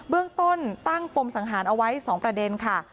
เรื่องต้นตั้งปมสังหารเอาไว้๒ประเด็นค่ะ